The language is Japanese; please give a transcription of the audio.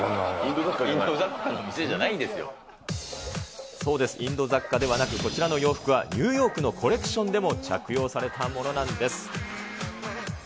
インド雑貨の店じゃないんでそうです、インド雑貨ではなく、こちらの洋服はニューヨークのコレクションでも着用されたものなんです。